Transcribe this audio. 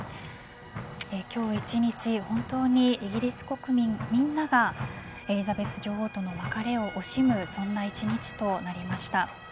今日一日、本当にイギリス国民みんながエリザベス女王との別れを惜しむそんな一日となりました。